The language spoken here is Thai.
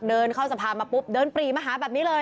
เดินเข้าสะพานมาปุ๊บเดินปรีมาหาแบบนี้เลย